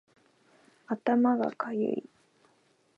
頭がかゆい